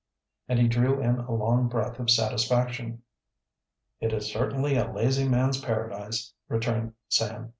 And he drew in a long breath of satisfaction. "It is certainly a lazy man's paradise," re turned Sam.